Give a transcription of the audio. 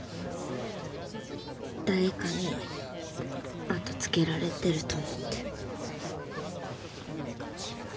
誰かに後つけられてると思って。